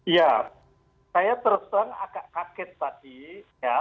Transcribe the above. ya saya terus terang agak kaget tadi ya